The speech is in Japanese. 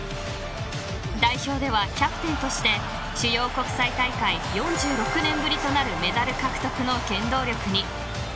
代表ではキャプテンとして主要国際大会４６年ぶりとなるメダル獲得の原動力に。